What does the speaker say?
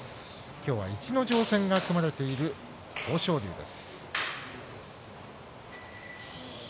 きょうは逸ノ城戦が組まれている豊昇龍です。